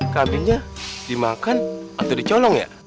kambingnya dimakan atau dicolong ya